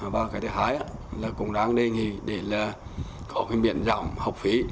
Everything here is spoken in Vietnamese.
và cái thứ hai là cũng đang đề nghị để có miễn giảm học phí